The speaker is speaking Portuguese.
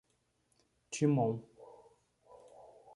Timon